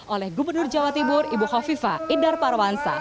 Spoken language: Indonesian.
oleh gubernur jawa timur ibu khofifah idhar parwansa